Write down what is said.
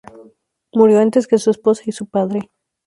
Murió antes que su esposa y su padre.